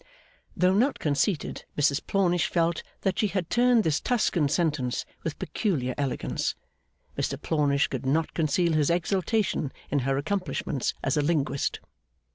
Though not conceited, Mrs Plornish felt that she had turned this Tuscan sentence with peculiar elegance. Mr Plornish could not conceal his exultation in her accomplishments as a linguist.